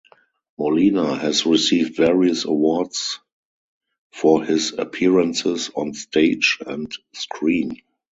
Molina has received various awards for his appearances on stage and screen.